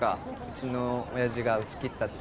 うちの親父が打ち切ったっていう。